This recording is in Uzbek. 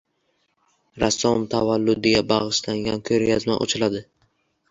Rassom tavalludiga bag‘ishlangan ko‘rgazma ochiladi.